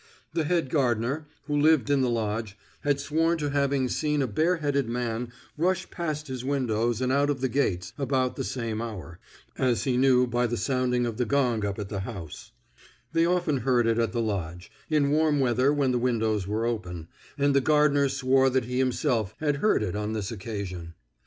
The head gardener, who lived in the lodge, had sworn to having seen a bareheaded man rush past his windows and out of the gates about the same hour, as he knew by the sounding of the gong up at the house; they often heard it at the lodge, in warm weather when the windows were open, and the gardener swore that he himself had heard it on this occasion.